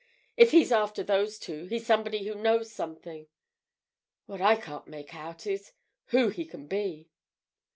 If he's after those two he's somebody who knows something. What I can't make out is—who he can be."